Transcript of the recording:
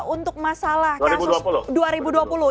untuk masalah kasus